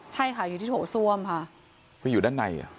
ใช่ค่ะอยู่ที่โถส้วมค่ะก็อยู่ด้านในอ่ะ